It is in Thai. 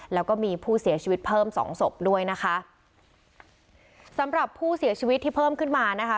แล้วก็มีผู้เสียชีวิตเพิ่มสองศพด้วยนะคะสำหรับผู้เสียชีวิตที่เพิ่มขึ้นมานะคะ